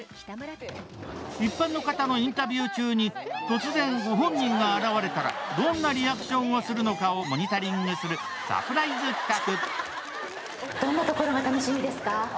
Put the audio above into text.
一般の方のインタビュー中に、突然ご本人が現れたらどんなリアクションをするのかをモニタリングするサプライズ企画。